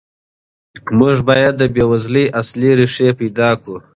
موږ باید د بېوزلۍ اصلي ریښې پیدا کړو.